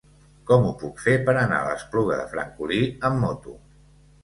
Com ho puc fer per anar a l'Espluga de Francolí amb moto?